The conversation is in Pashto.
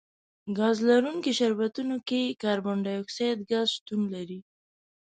ګاز لرونکي شربتونو کې کاربن ډای اکسایډ ګاز شتون لري.